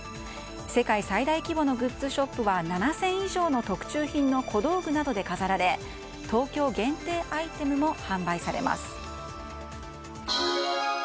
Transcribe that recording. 世界最大規模のグッズショップは７０００以上の特注品の小道具などで飾られ東京限定アイテムも販売されます。